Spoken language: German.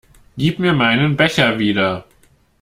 Gib mir meinen Becher wieder!